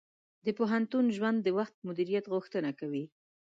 د پوهنتون ژوند د وخت مدیریت غوښتنه کوي.